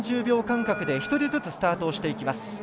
３０秒間隔で１人ずつスタートしていきます。